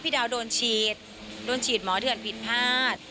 พี่ดาวน์โดนชีดโดนชีดหมอเทือนผิดพลาด